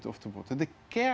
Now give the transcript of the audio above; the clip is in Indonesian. tetapi pengurusan air